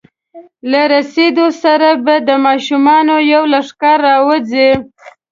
له رسېدو سره به د ماشومانو یو لښکر راوځي.